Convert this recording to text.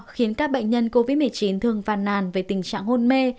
khiến các bệnh nhân covid một mươi chín thường phàn nàn về tình trạng hôn mê